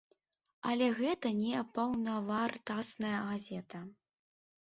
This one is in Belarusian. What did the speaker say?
Але гэта не паўнавартасная газета.